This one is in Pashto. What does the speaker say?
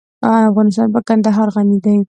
افغانستان په کندهار غني دی.